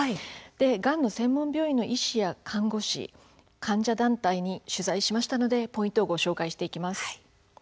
がんの専門病院の医師や看護師患者団体に取材しましたのでポイントをご紹介していきます。